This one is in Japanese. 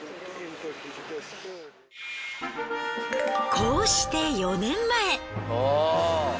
こうして４年前。